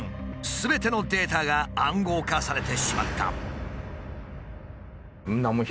すべてのデータが暗号化されてしまった。